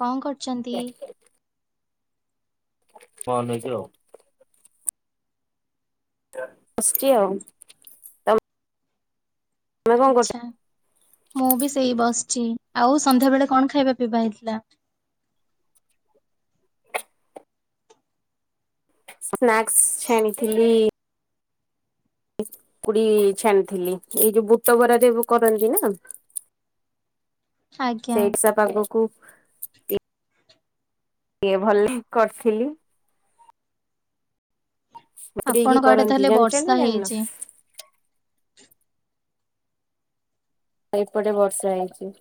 କଁ କରୁଚନ୍ତି? କଁ ନେଇଚି ଆଉ। ବସିଚି ଆଉ। ତମେ କଣ କରୁଚ? ଆଚ୍ଛା ମୁଁବି ସେଇ ବସିଚି ଆଉ ସନ୍ଧ୍ୟା ବେଳେ କଣ ଖାଇବା ପିଇବା ହେଇଥିଲା? ସ୍ନାକ୍ସ ଛାଣିଥିଲି। ପକୁଡ଼ି ଛାଣିଥିଲି ଏଇ ଯୋଉ ବୁଟ ବରାସବୁ କରନ୍ତିନା। ଆଜ୍ଞା ସେଇସା ପାଙ୍ଗକୁ କିଟିଏ ଭଲକି କରିଥିଲି। ବତୁରେଇକି ଆପଣଙ୍କ ଆଡ଼େ କରନ୍ତି ତାହେଲେ ଜାଣିଚ ନା ବର୍ଷା ଜାଣିନ? ହେଇଚି? ଏପଟେ ବର୍ଷା ହେଇଚି।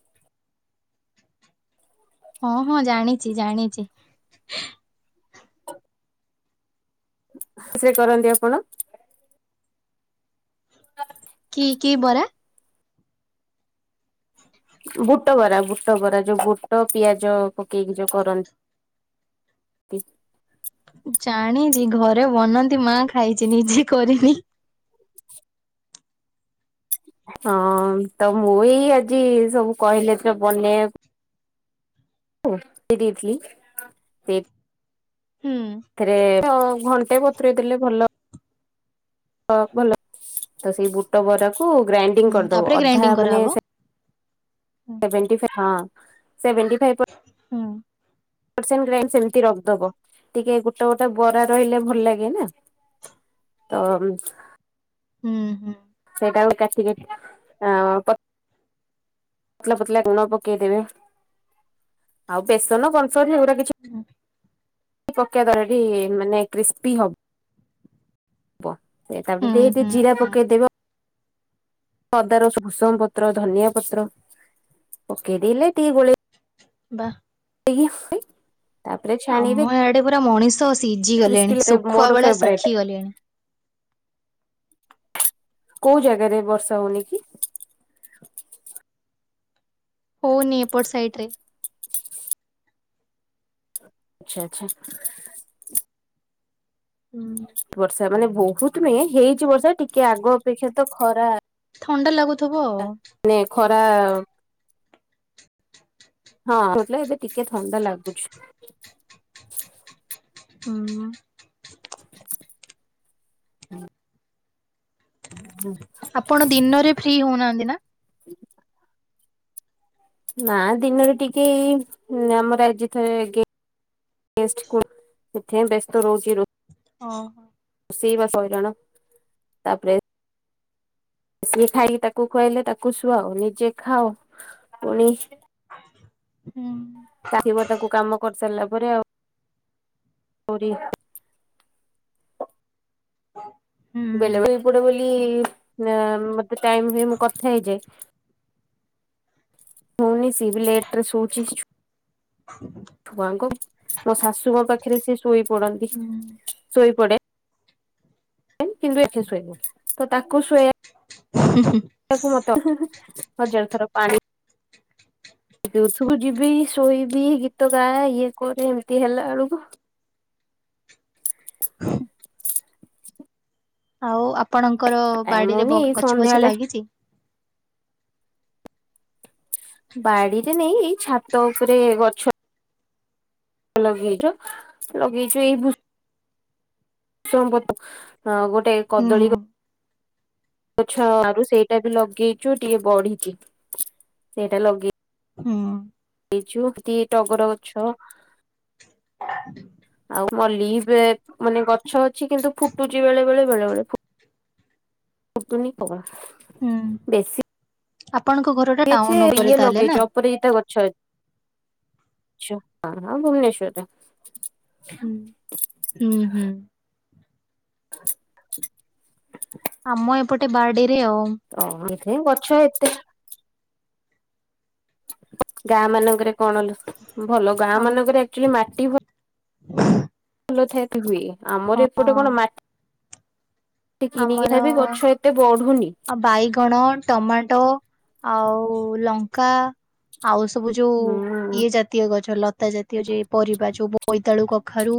ହଁ ହଁ ଜାଣିଚି ଜାଣିଚି। ରୋଷେଇ କରନ୍ତି ଆପଣ? [unintelligible] କି କି ବରା? ବୁଟ ବରା ବୁଟ ବରା ଯୋଉ ବୁଟ ପିଆଜ ପକେଇକି ଯୋଉ କରନ୍ତି। ଜାଣିଚି ଘରେ ବନନ୍ତି ମାଁ ଖାଇଚି ନିଜେ କରିନି। ହଁ ତମୁଁ ଏଇ ଆଜି ସବୁ କହିଲେତ ବନେଇବା କୁ ଦେଇଥିଲି ହଁ। ଏଥିରେ କ ଘଣ୍ଟେବ ତ୍ରେ ଦେଲେ ଭଲ ଭଲ ତସେଇ ବୁ ବୁଟ ବରାକୁ ଗ୍ରାଇଣ୍ତିଙ୍ଗ ହୁଁ କରିଦବ ତାପରେ ଅଧା ଗ୍ରାଇଣ୍ଡିଙ୍ଗ ମାନେ କରାହବ। ହୁଁ ସେଭେଣ୍ତିନ୍ ପାଇପ୍ ପ୍ରର୍ଶଟେ ହଁ ସେଭେଣ୍ତିନ୍ ଫା ହଁ। [unintelligible] ସେମତି ରଖଦବ ଟିକେ ଗୋଟେ ଗୋଟେ ବରା ରହିଲେ ଭଲ ଲାଗେନା ତ ହୁଁ ହୁଁ। ସେଇଟାକୁ କାଟି କାଟି ଅଁ ପ ପତଲା ପତଲା ଗୁଣ ପକେଇଦବେ ଆଉ ବେସନ କନମ୍ଫ ଏଇଡ଼ା କିଛି ହଁ। ପକେଇ ଦେବେଟି ମାନେ କ୍ରିସ୍ପି ହ ସେ ତାପରେ ହୁଁ ଟିକେ ଟିକେ ହୁଁ ଜିରା ହୁଁ ପକେଇଦେବେ ଅଦା ରସୁଣ ଭୁଶଙ୍ଗ ପତ୍ର ଧନିଆ ପତ୍ର ପକେଇଦଲେ ଟିକେ ଗୋଳେଇ ବା [unintelligible] ତାପରେ ଛାଣିବେ ଆମ ଆଏଡ଼େ ପୁରା ମଣିଷ ସିଝି କ୍ରିସ୍ପି ଗଲେଣି ଶୁଖୁଆ ମୋର ଭଳିଆ ଫେବରାଇଟ ଶୁଖି ଗଲେଣି। କୋଉ ଜାଗାରେ ବର୍ଷା ହଉନିକି? ହୋଉନି ଏପଟ ସାଇଟରେ। ଆଚ୍ଛା ଆଚ୍ଛା। ହୁଁ। ବର୍ଷା ମାନେ ବୋହୁତ ନୁହେଁ ହେଇଚି ବର୍ଷା ଟିକେ ଆଗ ଅପେକ୍ଷା ତ ଖରା ଥଣ୍ଡା ଲାଗୁଥୁବ ଆଉ। ନାଇଁ ଖରା ହଁ [unintelligible] ଏବେ ଟିକେ ଥଣ୍ଡା ଲାଗୁଛି। ହୁଁଉଁ। ହୁଁ। ଉହୁଁ। ଆପଣ ଦିନରେ ଫ୍ରି ହୋଉନାହାନ୍ତି ନା? ନା ଦିନରେ ଟିକେ ଏଇ ଆମର ଆଜି ଥରେ ଗେ ଗେଷ୍ଟକୁ ସେଥିପାଇଁ ବେସ୍ତ ରହୁଚି ରୋ ଓହୋ। ରଷେଇ ବାସ ହଇରାଣ ତାପରେ ସିଏ ଖାଇକି ତାକୁ ଖୁଆଇଲେ ତାକୁ ଶୁଆଉ ନିଜେ ଖାଉ ପୁଣି ହୁଁ। ତା ଥିବ ତାକୁ କାମ କରିସାରଲା ପରେ ଆଉ ପୁରୀ ହୁଁ। ବେଳେବେଳେ ଏଇ ପଟେ ବୋଲି ନା ମତେ ଟାଇମ ହୁଏ ମୁଁ କଥା ହେଇଯାଏ। ହୋଉନି ସିଏ ବି ଲେଟରେ ଶୋଉଚି। ଛୁଆଙ୍କୁ ମୋ ଶାଶୁଙ୍କ ପାଖରେ ସିଏ ଶୋଇପଡନ୍ତି ଶୋଇପଡେ। କିନ୍ତୁ ଏଠି ଶୋଇବୁ ତ ତାକୁ ଶୁଏଇବା ହୁଁ ହୁଁ। ତାକୁ ମତ ଉଁ ହୁଁ ହୁଁ ହଜାରେ ଥର ପାଣି ପିଉଥୁବୁ ମୁଁ ଯିବି ଶୋଇବି ଗୀତ ଗାଏ ଇଏ କରେ ଏମତି ହେଲାବେଳକୁ ଆଉ ଆପଣଙ୍କର ଟାଇମ ବାଡିରେ ହଉନି ବ ଏଇ ଗଛ ଫଛ ସନ୍ଧ୍ୟାବେଳେ ଲାଗିଚି? ବାଡିରେ ନାଇଁ ଏଇ ଛାତ ଓପରେ ଗଛ ଲଗେଇଚୁ ଲଗେଇଚୁ ଏଇ ବୁ ସଙ୍ଗ ପତ ହଁ ଗୋଟେ କଦଳୀ ଗ ହୁଁ। ଗଛ ଆରୁ ସେଇଟା ବି ଲଗେଇଚୁ ଟିକେ ବଢିଚି ସେଇଟା ଲଗେଇ ହୁଁ। ଇଚୁ କି ଟଗର ଗଛ [inaudible] ଆଉ ମଲ୍ଲି ଏବେ ମାନେ ଗଛ ଅଛି କିନ୍ତୁ ଫୁଟୁଚି ବେଳେ ବେଳେ ବେଳେ ବଳେ ଫୁ ଫୁଟୁନି [unintelligible] ହୁଁ ଆପଣଙ୍କ ଘର ଟା ବି ଅଛି ଟାଉନ ଉପରେ ଇଏ ତାହେଲେ ନା? ଲଗେଇଚୁ ଅପରାଜିତା ଗଛ ଅ ଚୁ ହଁ ହଁ ଭୁବନେଶ୍ୱରରେ। ହୁଁ ହୁଁ ହୁଁ। [inaudible] ଆମ ଏପଟେ ବାଡିରେ ଆଉ। ଓହୋ ଏଇଠି ଗଛ ଏତେ ଗାଁ ମାନଙ୍କରେ କଣ ଲୋ ଭଲ ଆମ ଗାଁମାନଙ୍କରେ ଆକଚୋଲି ମାଟି ଭ ଭଲ ଥାଏ ତ ହୁଏ ହଁ ଆମର ଏପଟେ କଣ ମା ଟି କିଣିକି ଆମର ଖାଇବେ, ଗଛ ଏତେ ବଢୁନି। ଆଉ ବାଇଗଣ। ଟମାଟୋ, ଆଉ ଲଙ୍କା, ଆଉ ସବୁ ଯୋଉ ହୁଁ ଇଏ ଜାତୀୟ ଗଛ, ଲତା ଜାତୀୟ ଯୋଉ, ପରିବା ଯୋଉ ବୋଇତାଳୁ କଖାରୁ।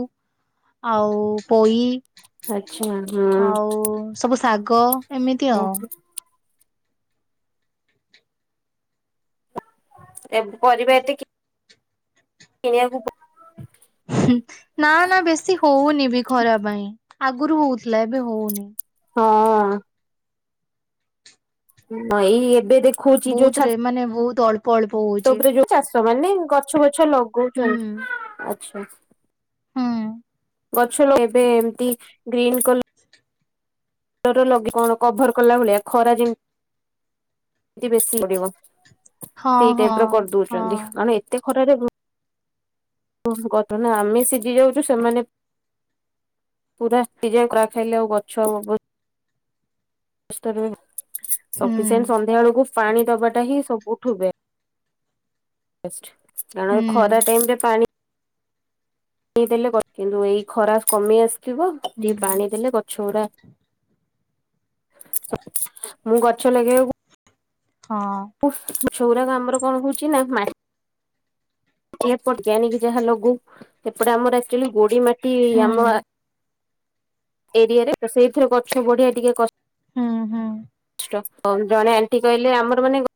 ଆଉ ପୋଇ ଆଛା, ହଁ। ଆଉ, ସବୁ ଶାଗ ଏମିତି ଆଉଁ। ଏଭେ ପରିବା ଏତିକି ଏଆକୁ ପା ନା, ନା, ବେଶୀ ହଉନି ବି ଖରା ପାଇଁ। ଆଗରୁ ହଉଥିଲା ଏବେ ହଉନି। ହଁ। ହଁ, ଏଇ ଏବେ ଦେଖ୍ ବହୁତ ରେ, ମାନେ ବହୁତ ଅଳ୍ପ ଅଳ୍ପ ବହୁତ ତ ଉପରେ ଯୋଉ ଚାଷ ମାନେ ଗଛ ବଛ ଲଗଉଛନ୍। ହୁଁ ଆଛା। ହୁଁ ଗଛ ଲଗେବେ ଏମତି ଗ୍ରୀନ୍ କଲ [inaudible] [unintelligible] କଭର କଲା ଭଳିଆ, ଖରା ଯେମ୍ ତି ବେଶୀ ପଡିବ। ହଁ ସେଇ ହଁ ଟାଇପ୍ ର ହଁ କରିଦଉଚନ୍ତି। କାରଣ ଏତେ ଖରାରେ ଗୁଁ ଉଁ ଗଧ ନା ଆମେ ସିଜି ଯାଉଚୁ ସେମାନେ ପୁରା ପିଜାଉ କ୍ରାକ଼୍ ଖାଇଲେ ଆଉ ଗଛ ଆଉ ହବ [unintelligible] ହୁଁ ସଫିସେଣ୍ଟ ସନ୍ଧ୍ୟା ବେଳକୁ ପାଣି ଦବାଟା ହିଁ ସବୁଠୁ ବେ ଷ୍ଟ। କାରଣ ହୁଁ ଖରା ଟାଇମ୍ ରେ ପାଣି ଦେଇ ଦେଲେ କିନ୍ତୁ, ଏଇ ଖରା କମି ଆସୁଥିବ, ହୁଁ ଟିକେ ପାଣି ଦେଲେ ଗଛ ଗୁରା ମୁଁ, ଗଛ ଲଗେଇବାକୁ ହଁ। ଗଛ ଗୁରାକ ଆମର କଣ ହଉଛି? ନା ମାଟ୍ ଏପଟିକି ଆଣିକି ଯାହା ଲଗଉ। ସେପଟେ ଆମର ଆକ୍ଚୁଆଲି ଗୋଡି ମାଟି ହୁଁ ଆମ ଆ ଏରିଆରେ ତ, ସେଇଥିରେ ଗଛ ବଢିଆ ଟିକେ କଷ୍ ହୁଁ ହୁଁ ଜଣେ ଆଣ୍ଟି କହିଲେ ଆମର ମାନେ ଗ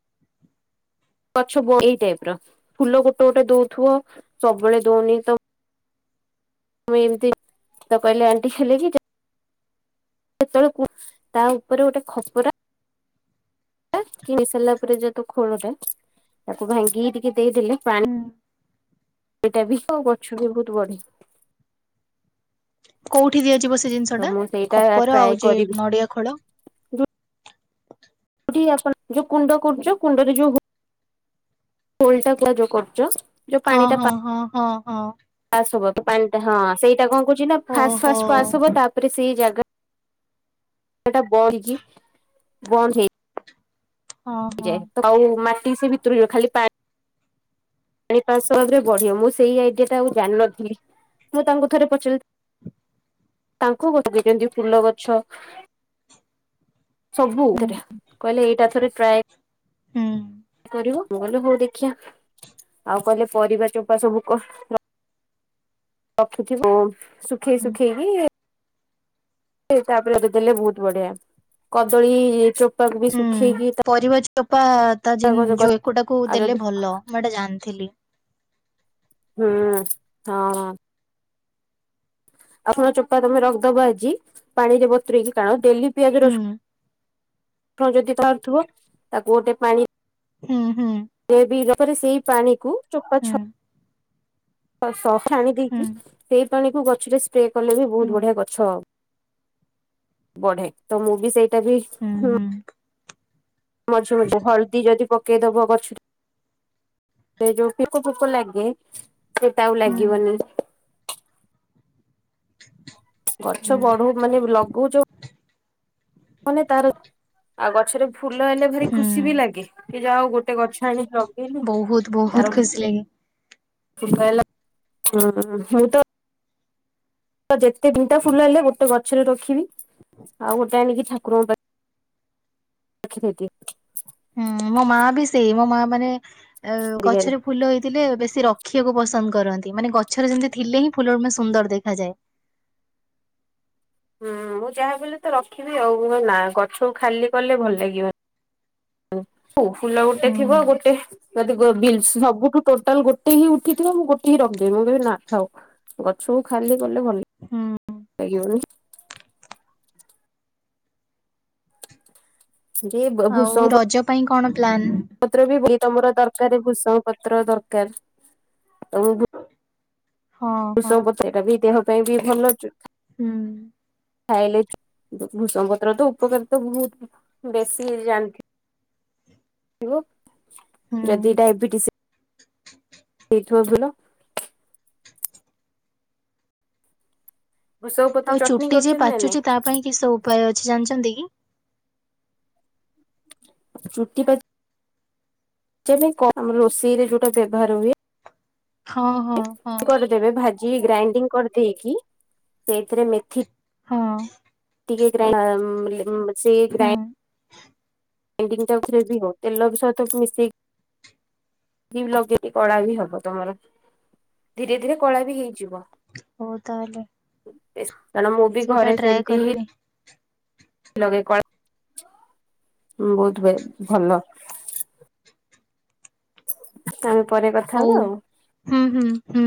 ଗଛ ବ ଏଇ ଟାଇପ୍ ର। ଫୁଲ ଗୋଟେ ଗୋଟେ ଦଉଥିବ ସବୁବେଳେ ଦଉନି ତ ମୁଁ ଏମିତି ତ କହିଲେ ଆଣ୍ଟି ହେଲେ କିି ଯେ ଯେତେବେଳେ କୁ ତା, ଉପରେ ଗୋଟେ ଖପରା ଆ କିଣି ସାରିଲା ପରେ, ଯେହେତୁ ଖୋଳଟା ତାକୁ ଭାଙ୍ଗିକି ଟିକେ ଦେଇଦେଲେ। ପାଣି ହୁଁ ଏଇଟା ବି ତ, ଗଛ ବି ବହୁତ ବଢେ। କୋଉଠି ଦିଆଯିବ, ସେ ଜିନିଷ ତ ଟା ମୁଁ ସେଇଟା ଖପର ଟ୍ରାଏ ଆଉ ଯେ କରିବି। ନଡିଆ ଖୋଳ? [inaudible] ଯଉଠି ଆପଣ ଯୋଉ କୁଣ୍ଡ କରୁଛ, କୁଣ୍ଡରେ ଯୋଉ ହୋଲ୍ ହୋଲଟା ଯୋଉ କରୁଛ। ଯୋଉ ହଁ ପାଣି ଟା ହଁ ହଁ ହଁ ହଁ। ପାସ୍ ହବ ପାନଟା ହଁ, ସେଇଟା କଣ କରୁଛି ନା, ଫାଷ୍ଟ ଓହୋ ଫାଷ୍ଟ ପାସ୍ ହବ। ତା'ପରେ ସେଇ ଜାଗା ଏଟା ବଢ଼ିକି ବନ୍ଦ ହେଇ ହଁ, ହଁ। ଆଉ ମାଟି ସେ ଭିତରେ ଯଉ ଖାଲି ପାଣ୍ ପାଣି ପାଁ ଶହ ଭାବରେ ବଢିବ। ମୁଁ ସେଇ ଆଇଡିଆଟା ଆଉ ଜାଣିନଥିଲି। ମୁଁ ତାଙ୍କୁ ଥରେ ପଚାଲ୍। ତାଙ୍କୁ [unintelligible] ଫୁଲ ଗଛ। ସବୁ ହୁଁ ଥିରେ କହିଲେ ଏଇଟା ଥରେ ଟ୍ରାଏ ହୁଁ କରିବ। ମୁଁ କହିଲି ହଉ ଦେ ଖିଆ ଆଉ କହିଲେ ପରିବା ଚୋପା ସବୁ ର ରଖିଥିବୁ ଶୁଖେଇ ହୁଁ ଶୁଖେଇକି କି ତାପରେ ଏବେ ଦେଲେ ବହୁତ ବଢିଆ କଦଳୀ ଚୋପାକୁ ବି ହୁଁ ଶୁଖେଇକି ତା ପରିବା ଚୋପା ତା ଜେଁ ଯୋ ଏକଟାକୁ ଆଉ ଯଦି ଦେଲେ ଭଲ ମୁଁ ଏଟା ଜାଣିଥିଲି। ହୁଁ ହଁ। ଆପଣ ଚୋପା ତମେ ରଖଦବ ଆଜି ପାଣି ରେ ବତୁରେଇକି କା ଡେଲି ପିଆଜ ହୁଁ ରସୁଣ ଣ ଯଦି ପାରୁଥିବ ତାକୁ ଗୋଟେ ପାଣି ହୁଁ ହୁଁ। ମେ ବି ର ତାରେ ସେଇ ପାଣିକୁ ଚୋପା ଛ ହୁଁ ଚୋପା ସ ଛାଣି ହୁଁ ଦେଇକି ସେଇ ପାଣି କୁ ଗଛରେ ସ୍ପ୍ରେ କଲେ ବି ହୁଁ ବହୁତ ବଢିଆ ଗ ଛ ବଢେ ତ ମୁଁ ବି ସେଇଟା ବି ହୁଁ ମଝେ ମଝି ହଲ୍ ଦି ଯଦି ପକେଇଦବ ଗଛ [unintelligible] ଯୋଉ ପକ ପୋକ ଲାଗେ ସେଟା ଆଉ ହୁଁ। ଲାଗିବନି। ହୁଁ ଗଛ ବଢଉ ମାନେ ଲଗଉଚୁ ମାନେ ତାର ଆଉ ଗଛରେ ଫୁଲ ହେଲେ ଭାରି ହୁଁ ହୁଁ ଖୁସି ବି ଲାଗେ ଏ ଯାଉ ଗୋଟେ ଗଛ ଆଣି ଲଗଇନି ତାର [inaudible] ଖୁସିଲାଗେ। [unintelligible] ହଁ ହଁ ମୁଁ ତ ତ ଯେତେ ତିିଟା ଫୁଲ ହେଲେ ଗୋଟେ ଭ ଛରେ ରଖିବି ଆଉ ଗୋଟେ ଆଣିକି ଠାକୁରଙ୍କ ପାଇଁ ର [inaudible] ଖିଦେବି। ହୁଁ ମୋ ମା ବି ସେଇ ମୋ ମା ମାନେ ଏ ଦିଏ ଗଛରେ ଫୁଲ ହେଇଥିଲେ ବେଶୀ ରଖିବାକୁ ପସନ୍ଦ କରନ୍ତି ମାନେ ଗଛରେ ଯେମିତି ଥିଲେ ହିଁ ଫୁଲ ମା ସୁନ୍ଦର ଦେଖାଯାଏ। ହୁଁ ମୁଁ ଯାହା ବିଲେ ତ ରଖିବି ଆଉ ମୁଁ କଇ ନା ଗଛକୁ ଖାଲି କଲେ ଭଲ ଲାଗିବନି। ହଉ ଫୁଲ ଗୋଟେ ହୁଁ ଥିବ ଗୋଟେ ଯଦି ଗୋ ବିଲ୍ସ ହଁ ସବୁଠୁ ଟୋଟାଲ ଗୋଟେ ହିଁ ଉଠିଥିବ ମୁଁ ଗୋଟେ ହିଁ ରଖଦେବି ମୁଁ କହିବି ନା ଥାଉ। ଗଛକୁ ଖାଲି କଲେ ଭଲ ହୁଁ। ଲାଗିବନି। ଯେ ଆଉ ଭୂଷଙ୍ଗ ରଜ ପାଇଁ କଣ ପ୍ଲାନ୍? ପତ୍ର ବି ବୁ ତମର ଦରକାର ଭୂଷମ ପତ୍ର ଦରକାର ତ ବୁ ଭୁ ହଁ ହଁ ଭୃସଙ୍ଗ ପତ୍ର ଏଟା ବି ଦେହ ପାଇଁ ବି ଭଲ ଚୁ ହୁଁ। ଖାଇଲେ ଚୁ ଭୃଷଙ୍ଗପତ୍ର ତ ଉପକରତା ବହୁତ ବେଶୀ ଜାଣ [inaudible] ଥିବ। ହୁଁ। ଯଦି ଡାଇବେଟିସ ହେଇଥିବ ଭଲ ଭୃଷଙ୍ଗ ପତ୍ର ଆଉ ଚଟଣି ଚୁଟି ଜିଏ କରିଛନ୍ତି ନା ନାଇଁ ପାଚୁଛି ତା ପାଇଁ କିସ ଉପାୟ ଅଛି ଜାଣିଚନ୍ତି କି? ଚୁଟି ପାଚି ଯେ ପାଇଁ କ ଆମର ରୋଷେଇ ରେ ଯୋଉଟା ବ୍ୟବହାର ହୁଏ। ହଁ ହଁ। ହଁ। କରିଦେବେ ଭାଜି ଗ୍ରାଇଣ୍ଡିଙ୍ଗ କରିଦେଇକି ସେଇଥିରେ ମେଥି ହଁ। ଟିକେ ଗ୍ରାଇ ମ୍ ସେଇ ହୁଁ ଗ୍ରାଇ ଇଣ୍ଡିଙ୍ଗ ବି ହଉ ତେଲ ବି ସହିତ ମିଶେଇକି କି ଲଗେଇଲେ କଳା ବି ହବ ତମର ଧୀରେ ଧୀରେ କଳା ବି ହେଇଯିବ। ହଉ ତାହେଲେ। କାରଣ ମୁଁ ବି ସେଇଟା ଘରେ ଟ୍ରାଏ ସେମିତି ହିଁ କରିବି ଲଗେଇ କରେ। ବହୁତ ଭଲ। ଆମେ ପରେ କଥା ହଉ ହବା ଆଉ। ହୁଁ ହୁଁ ହୁଁ।